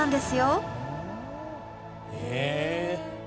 へえ。